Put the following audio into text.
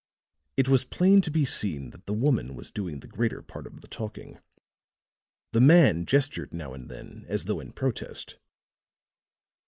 It was plain to be seen that the woman was doing the greater part of the talking; the man gestured now and then as though in protest.